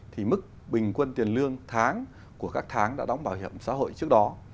thì mức bình quân tiền lương tháng của các tháng đã đóng bảo hiểm xã hội trước đó